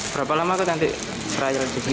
berapa lama kan nanti perayaan itu